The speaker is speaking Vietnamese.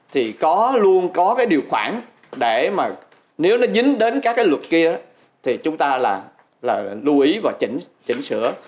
thì có luôn có cái điều khoản để mà nếu nó dính đến các cái luật kia thì chúng ta là lưu ý và chỉnh chỉnh sửa